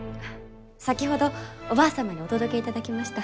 先ほどおばあ様にお届けいただきました。